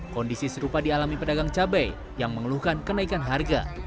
kondisi serupa dialami pedagang cabai yang mengeluhkan kenaikan harga